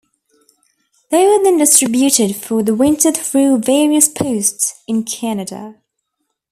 They were then distributed for the winter through various posts in Canada.